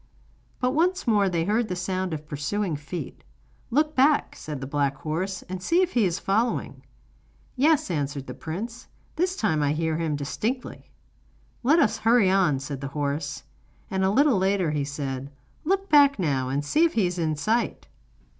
But once more they heard the sound of pursuing feet. 'Look back,' said the black horse, 'and see if he is following.' 'Yes,' answered the prince, 'this time I hear him distinctly. 'Let us hurry on,' said the horse. And a little later he said: 'Look back now, and see if he is in sight.